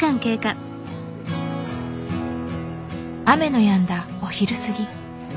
雨のやんだお昼過ぎ。